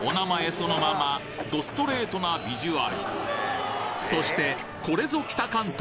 そのままどストレートなビジュアルそしてこれぞ北関東！